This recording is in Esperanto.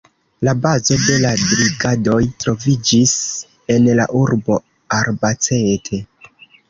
La bazo de la Brigadoj troviĝis en la urbo Albacete.